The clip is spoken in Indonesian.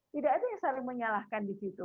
tidak ada yang saling menyalahkan di situ